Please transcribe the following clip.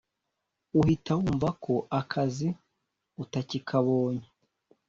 uhita wumva ko akazi utakikabonye